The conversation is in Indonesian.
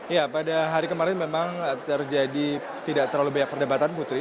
ya pada hari kemarin memang terjadi tidak terlalu banyak perdebatan putri